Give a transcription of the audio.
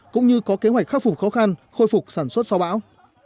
cũng như có kế hoạch khắc phục khó khăn khôi phục sản xuất sau bão